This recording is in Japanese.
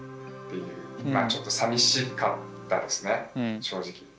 まあちょっとさみしかったですね正直。